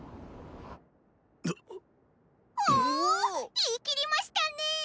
言い切りましたねぇ！